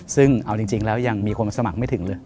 ซึ่งเอาจริงแล้วยังมีคนมาสมัครไม่ถึงเลย